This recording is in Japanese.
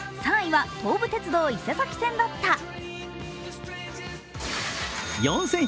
３位は東武鉄道伊勢崎線だった。